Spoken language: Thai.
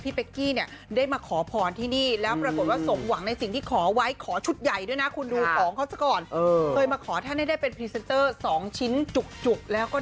เพื่อมาขอบคุณท่านที่ก่อนนั้นเนี่ยพี่เป